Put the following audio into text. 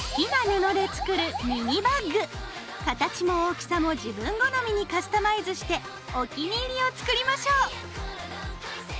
形も大きさも自分好みにカスタマイズしてお気に入りを作りましょう。